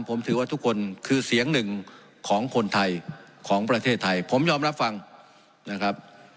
ผมถือว่าทุกคนคือเสียงหนึ่งของคนไทยของประเทศไทยผมยอมรับฟังนะครับ